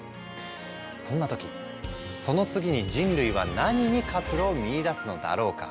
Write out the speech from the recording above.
そんな時その次に人類は何に活路を見いだすのだろうか？